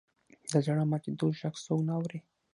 د زړه ماتېدو ږغ څوک نه اوري.